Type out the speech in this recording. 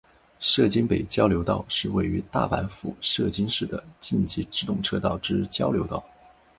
摄津北交流道是位于大阪府摄津市的近畿自动车道之交流道。